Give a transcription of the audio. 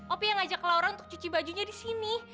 opi yang ngajak laura untuk cuci bajunya di sini